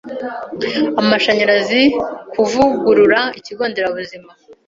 amashanyarazi, kuvugurura Ikigo Nderabuzima